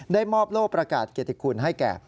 ได้มอบโลกประกาศเกตกุลให้แก่